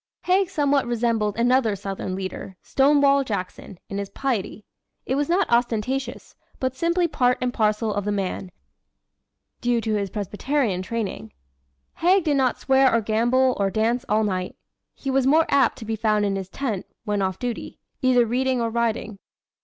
Haig somewhat resembled another Southern leader, Stonewall Jackson, in his piety. It was not ostentatious, but simply part and parcel of the man, due to his Presbyterian training. Haig did not swear or gamble or dance all night. He was more apt to be found in his tent, when off duty, either reading or writing.